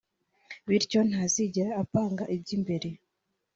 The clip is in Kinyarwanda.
bityo ntazigera apanga iby’imbere